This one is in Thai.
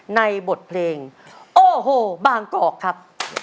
ในบทเพลงโอ้โหบางกอกครับ